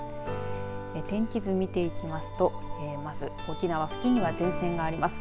天気図、見ていきますとまず沖縄付近には前線があります。